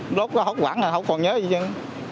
một lúc nó hỗn quản rồi nó không còn nhớ gì hết